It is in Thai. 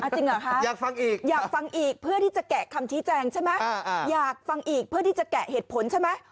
จริงเหรอคะอยากฟังอีกอยากฟังอีกเพื่อที่จะแกะคำชี้แจงใช่ไหมอยากฟังอีกเพื่อที่จะแกะเหตุผลใช่ไหม